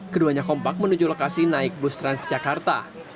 keduanya kompak menuju lokasi naik bus transjakarta